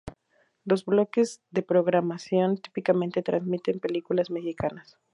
Los bloques de programación típicamente transmiten películas mexicanas.